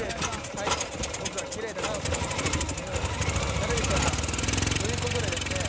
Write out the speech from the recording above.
はい僕がキレイだなと思っている芸能人誰でしょうか？ということでですね